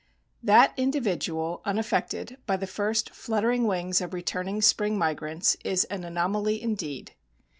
That individual unaffected by the first fluttering wings of returning spring migrants is an anomaly indeed.